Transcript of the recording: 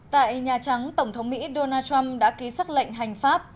tại nhà trắng tổng thống mỹ donald trump đã ký xác lệnh hành pháp